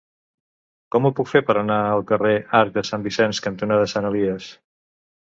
Com ho puc fer per anar al carrer Arc de Sant Vicenç cantonada Sant Elies?